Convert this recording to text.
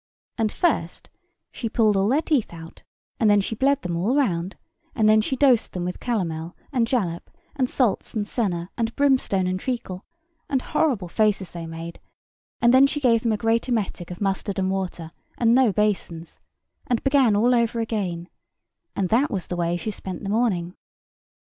And first she pulled all their teeth out; and then she bled them all round: and then she dosed them with calomel, and jalap, and salts and senna, and brimstone and treacle; and horrible faces they made; and then she gave them a great emetic of mustard and water, and no basons; and began all over again; and that was the way she spent the morning.